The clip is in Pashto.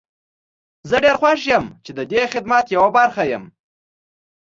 زه ډير خوښ يم چې ددې خدمت يوه برخه يم.